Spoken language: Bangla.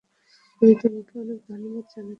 আমি তোমাকে অনেক ধন্যবাদ জানাতে চাই, মিস হুবারম্যান।